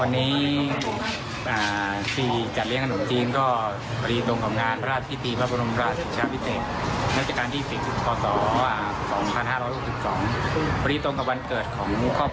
มีอะไรบ้างที่นำมาด้วยครับ